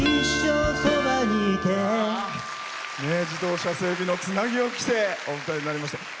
自動車整備のつなぎを着てお歌いになりました。